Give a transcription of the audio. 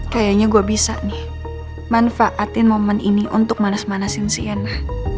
kayaknya gue bisa nih manfaatin momen ini untuk manas manasin si ena